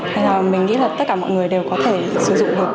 nên là mình nghĩ là tất cả mọi người đều có thể sử dụng được